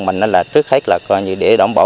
mình là trước hết là coi như để đổng bổ